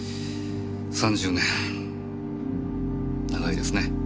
３０年長いですね。